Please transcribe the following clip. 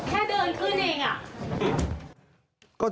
ก็แค่เดินขึ้นมาแค่เดินขึ้นเอง